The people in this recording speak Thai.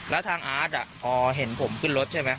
แล้วทางอาร์ตพอเห็นผมขึ้นรถใช่ไหม